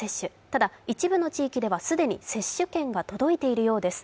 ただ、一部の地域では既に接種券が届いているようです。